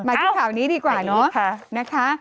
มาธุกข่าวนี้ดีกว่านะคะ